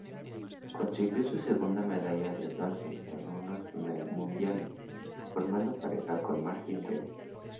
Consiguió su segunda medalla de bronce en unos mundiales, formando pareja con Martin Dew.